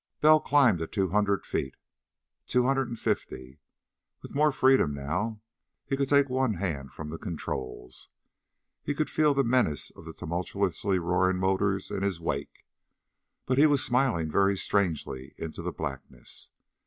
Bell climbed to two hundred feet. To two hundred and fifty. With more freedom, now, he could take one hand from the controls. He could feel the menace of the tumultuously roaring motors in his wake, but he was smiling very strangely in the blackness.